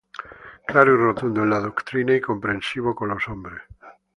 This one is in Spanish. Claro y rotundo en la doctrina y comprensivo con los hombres.